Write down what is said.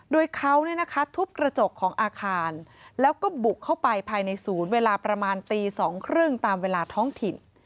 โดยเขาทุบกระจกของอาคารแล้วก็บุกเข้าไปภายในศูนย์เวลาประมาณตี๒๓๐ตามเวลาท้องถิ่น